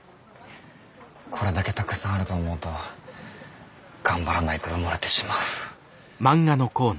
これだけたくさんあると思うと頑張らないと埋もれてしまう。